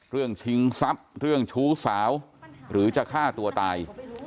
ชิงทรัพย์เรื่องชู้สาวหรือจะฆ่าตัวตาย